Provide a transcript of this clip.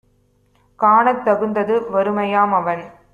காணத் தகுந்தது வறுமையாம் - அவன்